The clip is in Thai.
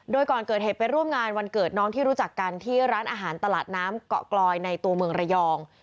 โดยก่อนเกิดเหตุไปร่วมงานวันเกิดน้องที่รู้จักกันที่ร้านอาหารตลาดน้ำเกาะกลอยในตัวเมืองระยอง